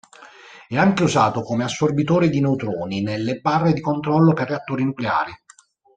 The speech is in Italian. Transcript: È anche usato come assorbitore di neutroni nelle barre di controllo per reattori nucleari.